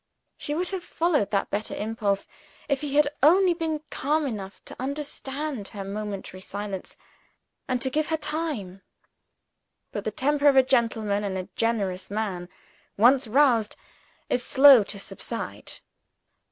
She would have followed that better impulse, if he had only been calm enough to understand her momentary silence, and to give her time. But the temper of a gentle and generous man, once roused, is slow to subside.